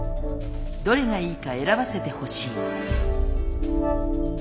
「どれがいいか選ばせてほしい」。